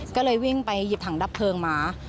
ก็เลยวิ่งไปหยิบถังดับเพลิงมา